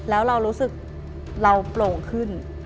แล้วเรารู้สึกเราโปร่งขึ้น